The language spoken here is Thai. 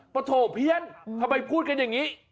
โถเพี้ยนทำไมพูดกันอย่างนี้